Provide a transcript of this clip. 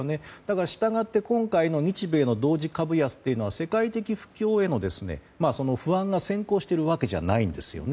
したがって今回の日米の同時株安というのは世界的不況への不安が先行しているわけではないんですね。